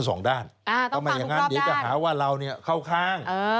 อ้าวต้องฟังทุกรอบด้านทำไมอย่างนั้นเดี๋ยวจะหาว่าเราเข้าข้าง